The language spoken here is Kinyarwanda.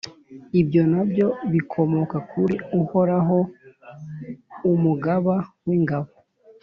Ibyo na byo bikomoka kuri Uhoraho, Umugaba w’ingabo,